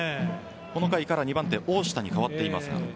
この回から２番手の大下に代わっていますが。